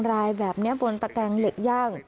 รายแบบนี้บนตะแกงเหล็กย่าง